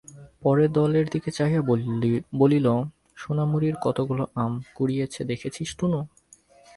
পরে দলের দিকে চাহিয়া বলিল, সোনামুখীর কতগুলো আম কুড়িয়েচে দেখেছিস টুনু?